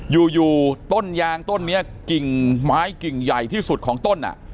อยู่ต้นยางต้นนี้กิ่งไม้กิ่งใหญ่ที่สุดของต้น